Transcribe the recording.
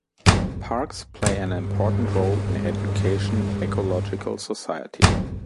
Parks play an important role in education, ecological society.